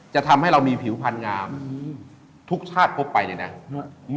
จะทำให้เรามีผิวพันธ์งามทุกชาติพบไปเนี่ยนะ